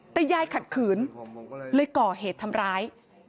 แต่ยายขัดขืนเลยก่อเหตุทำร้าย